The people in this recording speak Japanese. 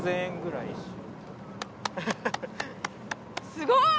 すごい！